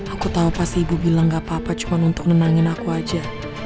aku tahu pasti ibu bilang gak apa apa cuma untuk nenangin aku aja